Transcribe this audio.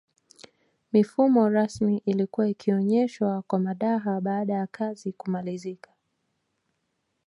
Mifumo rasmi ilikuwa ikionyeshwa kwa madaha baada yakazi kumalizika